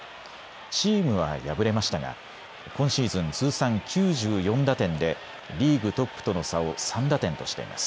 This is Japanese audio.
チームは敗れましたが今シーズン通算９４打点でリーグトップとの差を３打点としています。